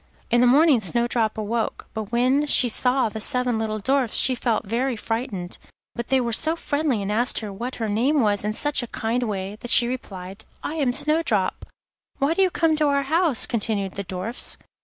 In the morning Snowdrop awoke, but when she saw the seven little Dwarfs she felt very frightened. But they were so friendly and asked her what her name was in such a kind way, that she replied: 'I am Snowdrop.' 'Why did you come to our house?' continued the Dwarfs.